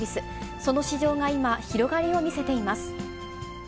その市場が今、広がりを見せています。